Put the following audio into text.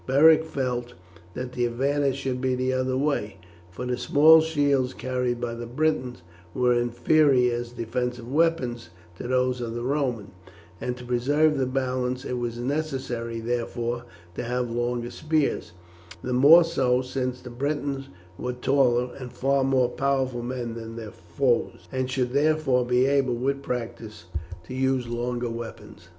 Beric felt that the advantage should be the other way, for the small shields carried by the Britons were inferior as defensive weapons to those of the Romans, and to preserve the balance it was necessary therefore to have longer spears; the more so since the Britons were taller, and far more powerful men than their foes, and should therefore be able, with practice, to use longer weapons.